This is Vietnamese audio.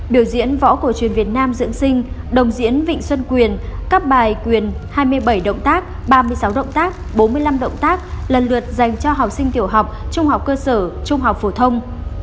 biểu diễn võ cổ truyền việt nam dưỡng sinh đồng diễn vịnh xuân quyền các bài quyền hai mươi bảy động tác ba mươi sáu động tác bốn mươi năm động tác lần lượt dành cho học sinh tiểu học trung học cơ sở trung học phổ thông